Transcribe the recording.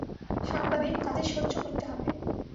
সাংবাদিক, কাজেই সহ্য করতে হবে।